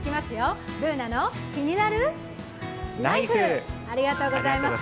「ＢｏｏｎａのキニナルＬＩＦＥ」ありがとうございます。